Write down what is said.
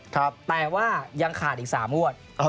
แต่ว่ายังขาดอีก๓งวด